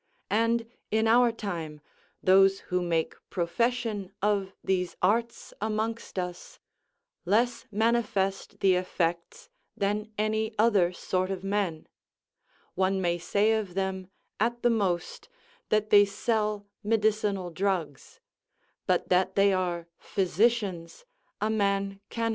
And, in our time, those who make profession of these arts amongst us, less manifest the effects than any other sort of men; one may say of them, at the most, that they sell medicinal drugs; but that they are physicians, a man cannot say.